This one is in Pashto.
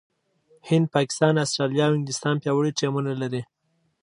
هند، پاکستان، استراليا او انګلستان پياوړي ټيمونه لري.